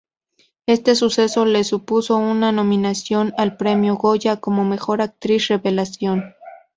Este suceso le supuso una nominación al premio Goya como mejor actriz revelación.